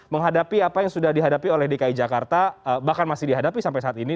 menghadapi apa yang sudah dihadapi oleh dki jakarta bahkan masih dihadapi sampai saat ini